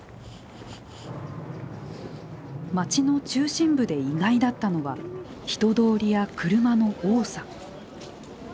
街の中心部で意外だったのは人通りや車の多さ。